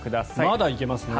まだいけますね。